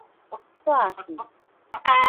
煞戲